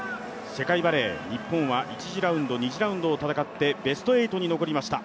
世界バレー、日本は１次ラウンド、２次ラウンドを戦ってベスト８に残りました。